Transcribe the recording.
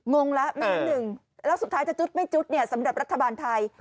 งงแล้วแม่หนึ่งแล้วสุดท้ายจะจุดไม่จุดเนี่ยสำหรับรัฐบาลไทย